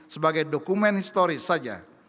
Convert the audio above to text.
sebagai dokumen historis saja